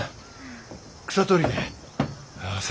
草取りけ？